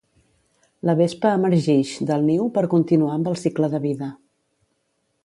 La vespa emergix del niu per continuar amb el cicle de vida.